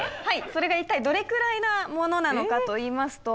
それが一体どれくらいなものなのかといいますと。